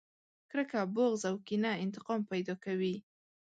کرکه، بغض او کينه انتقام پیدا کوي.